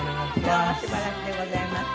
どうもしばらくでございました。